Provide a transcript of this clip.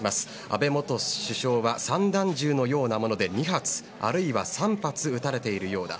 安倍元首相は散弾銃のようなもので２発あるいは３発撃たれているようだ。